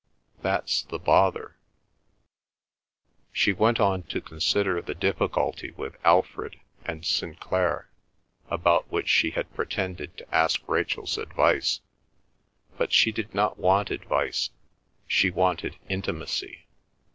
That's the bother." She went on to consider the difficulty with Alfred and Sinclair about which she had pretended to ask Rachel's advice. But she did not want advice; she wanted intimacy.